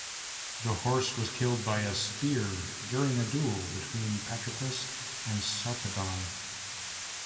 This horse was killed by a spear during a duel between Patroclus and Sarpedon.